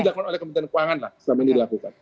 diakun oleh kementerian keuangan lah selama ini dilakukan